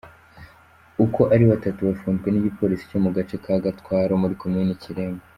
Uko ari batatu bafunzwe n’igipolisi cyo mu gace ka Gatwaro muri komini Kiremba.